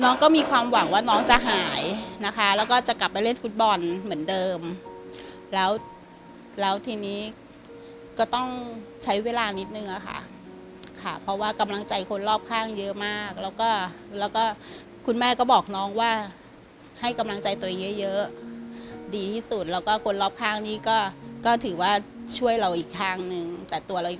น้องก็มีความหวังว่าน้องจะหายนะคะแล้วก็จะกลับไปเล่นฟุตบอลเหมือนเดิมแล้วแล้วทีนี้ก็ต้องใช้เวลานิดนึงอะค่ะค่ะเพราะว่ากำลังใจคนรอบข้างเยอะมากแล้วก็แล้วก็คุณแม่ก็บอกน้องว่าให้กำลังใจตัวเองเยอะเยอะดีที่สุดแล้วก็คนรอบข้างนี้ก็ก็ถือว่าช่วยเราอีกทางนึงแต่ตัวเรา